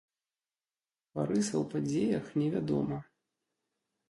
Барыса ў падзеях не вядома.